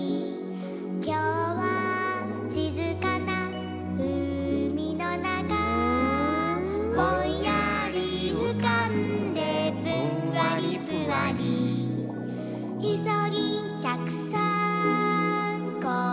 「きょうはしずかなうみのなか」「ぼんやりうかんでぷんわりぷわり」「いそぎんちゃくさんこんにちは！」